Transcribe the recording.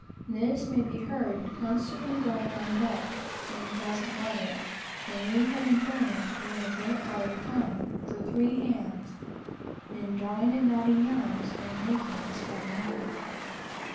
This may be heard constantly going on deck in pleasant weather; and we had employment, during a great part of the time, for three hands in drawing and knotting yarns, and making them spun yarn.